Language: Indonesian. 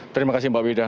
terima kasih mbak wida